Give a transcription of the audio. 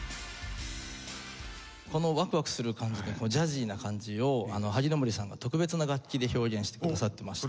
このワクワクする感じでジャジーな感じを萩森さんが特別な楽器で表現してくださってまして。